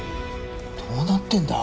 どうなってんだ？